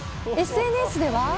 ＳＮＳでは。